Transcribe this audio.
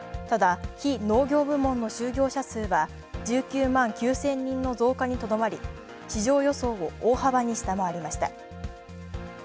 ただ、非農業部門の就業者数は１９万９０００人の増加にとどまり、市場予想を大幅に下回りました。